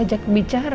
bisa jadi kan